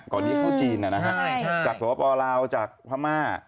ก่อนนี้เข้าจีนนะฮะจากสวพลาวจากพม่า